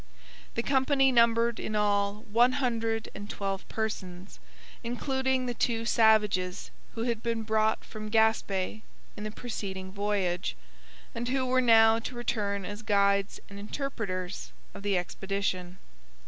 The company numbered in all one hundred and twelve persons, including the two savages who had been brought from Gaspe in the preceding voyage, and who were now to return as guides and interpreters of the expedition.